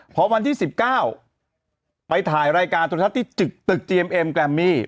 พอวันที่๑๙ไปถ่ายรายการโทรทัศน์ที่ตึกเจียมเอ็มแกรมมี่